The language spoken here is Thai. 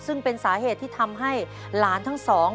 ซึ่งเป็นสาเหตุที่ทำให้หลานทั้งสอง